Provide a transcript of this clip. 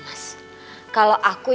mas ini benar